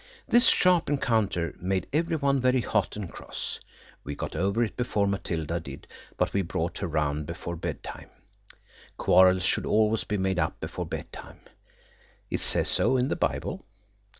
This sharp encounter made every one very hot and cross. We got over it before Matilda did, but we brought her round before bedtime. Quarrels should always be made up before bedtime. It says so in the Bible.